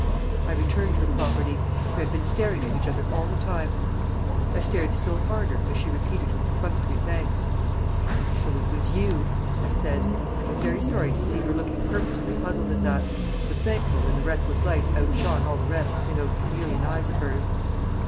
I returned her property. We had been staring at each other all the time. I stared still harder as she repeated her perfunctory thanks. "So it was you!" I said, and was sorry to see her looking purposely puzzled at that, but thankful when the reckless light outshone all the rest in those chameleon eyes of hers.